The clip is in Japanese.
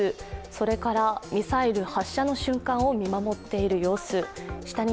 それからミサイル発射の瞬間を見守っている様子。